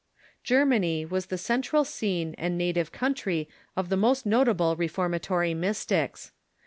Germany was the central scene and native country of the most notable reformatory Mystics.